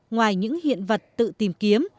ngoài những hiện vật tự tìm kiếm